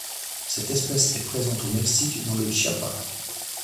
Cette espèce est présente au Mexique dans le Chiapas.